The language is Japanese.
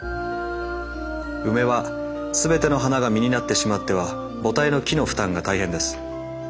ウメは全ての花が実になってしまっては母体の木の負担が大変です。